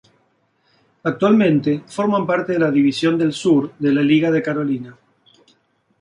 Actualmente forman parte de la división del sur de la Liga de Carolina.